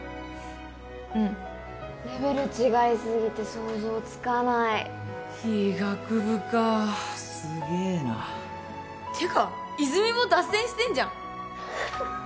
うんレベル違いすぎて想像つかない医学部かあすげえなてか泉も脱線してんじゃん！